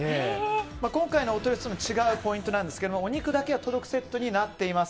今回のお取り寄せと違う点ですがお肉だけが届くセットになっております。